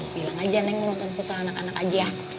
bilang aja neng nonton futsal anak anak aja ya